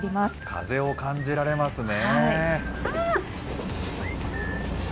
風を感じられますね。